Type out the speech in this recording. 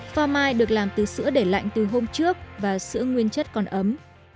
pha mai được làm từ sữa để lạnh từ hôm trước và sữa nguyên chất còn ấm